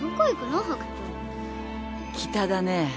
北だね。